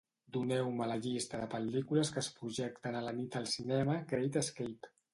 Doneu-me la llista de pel·lícules que es projecten a la nit al cinema Great Escape.